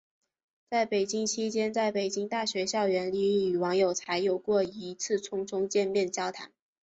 在北京期间在北京大学校园里与王有才有过一次匆匆见面交谈。